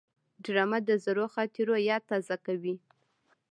ډرامه د زړو خاطرو یاد تازه کوي